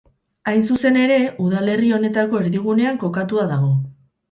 Hain zuzen ere, udalerri honetako erdigunean kokatua dago.